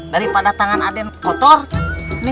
daripada tangan raden kotor